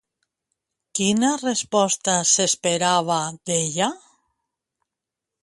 Quina resposta s'esperava d'ella?